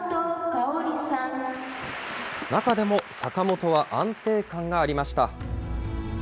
中でも坂本は安定感がありました。